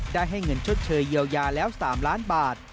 ได้ให้เงินชดเชยเยียวยาแล้ว๓ล้านบาท